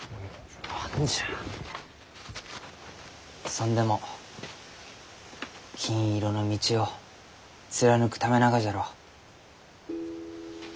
そんでも金色の道を貫くためながじゃろ？